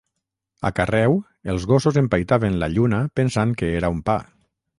A Carreu, els gossos empaitaven la lluna pensant que era un pa.